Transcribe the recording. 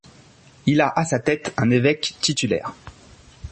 Il a à sa tête un évêque titulaire.